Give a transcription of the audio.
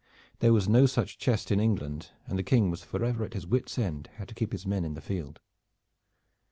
There was no such chest in England, and the King was forever at his wits' end how to keep his men in the field.